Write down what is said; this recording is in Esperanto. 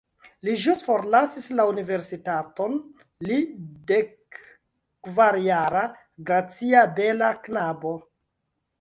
Li ĵus forlasis la universitaton, li, dekkvarjara gracia bela knabo.